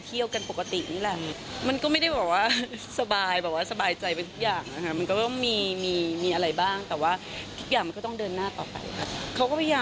เพียงแต่ว่ามีอะไรก็อาจจะต้องแบบว่า